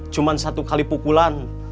cuman satu kali pukulan